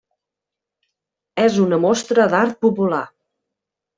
És una mostra d'art popular.